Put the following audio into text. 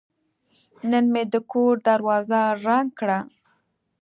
نن مې د کور دروازه رنګ کړه.